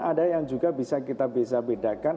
ada yang juga bisa kita bisa bedakan